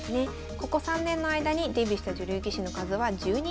ここ３年の間にデビューした女流棋士の数は１２人。